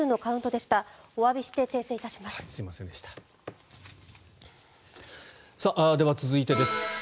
では続いてです。